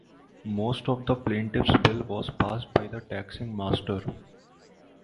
Most of the plaintiff's bill was passed by the taxing master.